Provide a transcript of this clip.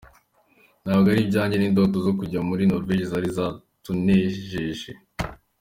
Ntabwo ari ibijyanye n’indoto zo kujya muri Norvège zari zatuneneje.”